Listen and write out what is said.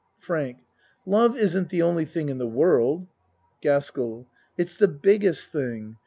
FRANK Love isn't the only thing in the world. GASKELL It's the biggest thing.